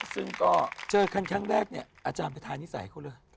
ซึ่งก็เจอกันครั้งแรกเนี่ยอาจารย์ไปทานนิสัยเขาเลย